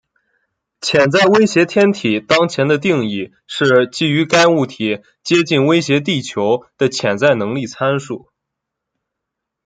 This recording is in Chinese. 潜在威胁天体当前的定义是基于该物体接近威胁地球的潜在能力参数。